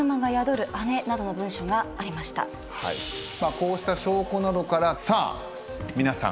こうした証拠などからさあ皆さん。